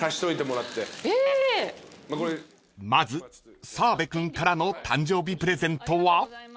［まず澤部君からの誕生日プレゼントは？］